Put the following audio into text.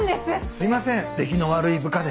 すいません出来の悪い部下で。